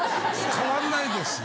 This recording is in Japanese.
変わんないですね。